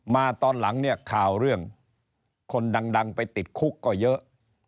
ตอนหลังเนี่ยข่าวเรื่องคนดังไปติดคุกก็เยอะ